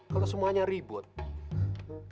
kalau semuanya ribut